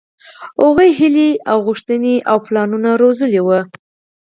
هغوۍ هيلې او غوښتنې او پلانونه روزلي وو.